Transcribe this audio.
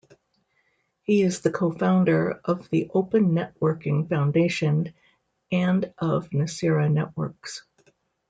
He is the co-founder of the Open Networking Foundation and of Nicira Networks.